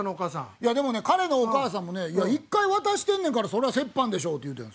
いやでもね彼のお母さんもね「一回渡してんねんからそれは折半でしょ」って言うてんです。